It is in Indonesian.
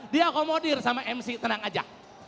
diakomodir sama mc tenang aja